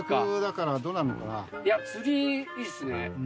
釣りいいっすね。